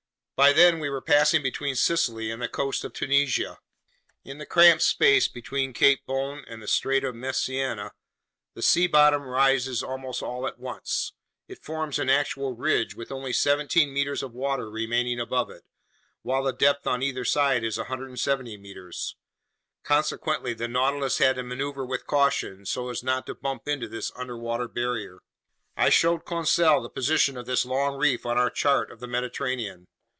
By then we were passing between Sicily and the coast of Tunisia. In the cramped space between Cape Bon and the Strait of Messina, the sea bottom rises almost all at once. It forms an actual ridge with only seventeen meters of water remaining above it, while the depth on either side is 170 meters. Consequently, the Nautilus had to maneuver with caution so as not to bump into this underwater barrier. I showed Conseil the position of this long reef on our chart of the Mediterranean.